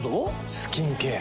スキンケア。